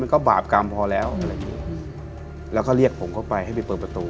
มันก็บาปกรรมพอแล้วอืมแล้วก็เรียกผมเข้าไปให้ไปเปิดประตู